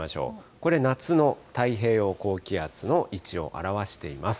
これ、夏の太平洋高気圧の位置を表しています。